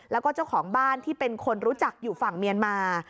แล้วก็เจ้าของบ้านที่เป็นคนรู้จักอยู่ฝั่งเมียนมา